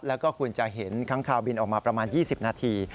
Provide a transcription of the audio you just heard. แล้วก็คุณจะเห็นค้างคาวบินออกมาประมาณ๒๐นาที